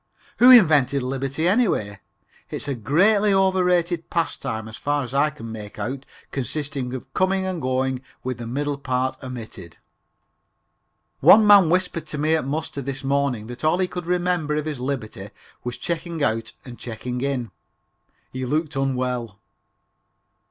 Who invented liberty, anyway? It's a greatly over rated pastime as far as I can make out, consisting of coming and going with the middle part omitted. One man whispered to me at muster this morning that all he could remember of his liberty was checking out and checking in. He looked unwell.